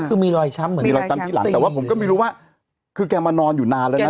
คือมีรอยช้ำเหมือนกันมีรอยช้ำที่หลังแต่ว่าผมก็ไม่รู้ว่าคือแกมานอนอยู่นานแล้วนะ